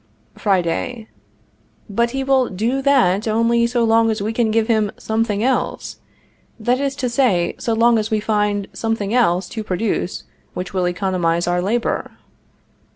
Friday. But he will do that only so long as we give him something else; that is to say, so long as we find something else to produce, which will economize our labor.